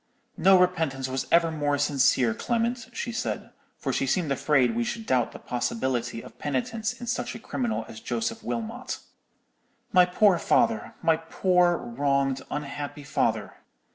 "'No repentance was ever more sincere, Clement,' she said, for she seemed afraid we should doubt the possibility of penitence in such a criminal as Joseph Wilmot. 'My poor father—my poor wronged, unhappy father!